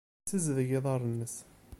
Yessazdeg iḍarren-nnes.